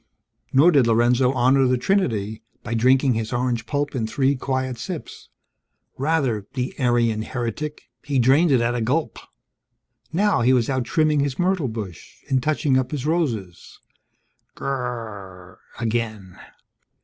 Nor did Lorenzo honor the Trinity by drinking his orange pulp in three quiet sips; rather (the Arian heretic) he drained it at a gulp. Now, he was out trimming his myrtle bush. And touching up his roses. Gr r r, again!